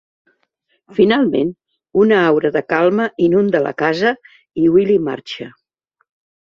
Finalment, una aura de calma inunda la casa i Willie marxa.